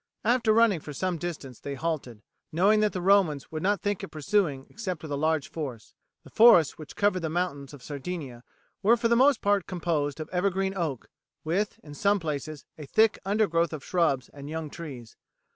After running for some distance they halted, knowing that the Romans would not think of pursuing except with a large force. The forests which covered the mountains of Sardinia were for the most part composed of evergreen oak, with, in some places, a thick undergrowth of shrubs and young trees.